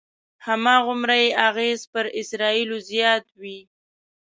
هماغومره یې اغېز پر اسرایلو زیات وي.